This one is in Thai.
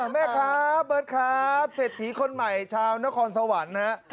แม่ครับเบิร์ตครับเศรษฐีคนใหม่ชาวนครสวรรค์ฮะ